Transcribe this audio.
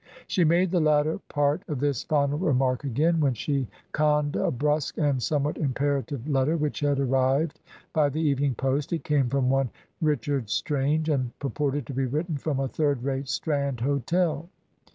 She made the latter part of this final remark again, when she conned a brusque and somewhat imperative letter which had arrived by the evening post. It came from one Richard Strange, and purported to be written from a third rate Strand hotel.